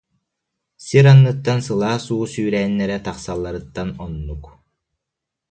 Сир анныттан сылаас уу сүүрээннэрэ тахсалларыттан оннук